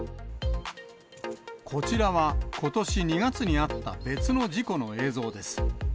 こちらは、ことし２月にあった別の事故の映像です。